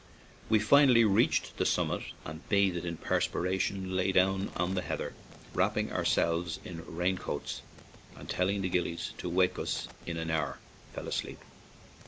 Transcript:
We finally reached the summit and, bathed in perspiration, lay down on the heather, wrapping ourselves in rain coats, and, telling the gillies to wake us in an hour, fell asleep.